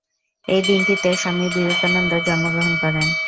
এই দিনটিতে স্বামী বিবেকানন্দ জন্মগ্রহণ করেন।